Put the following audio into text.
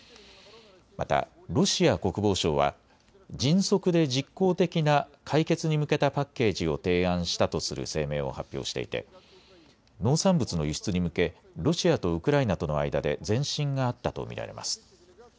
またロシア国防省は迅速で実効的な解決に向けたパッケージを提案したとする声明を発表していて農産物の輸出に向け、ロシアとウクライナとの間で前進があったと見られます。